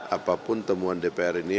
apapun temuan dpr ini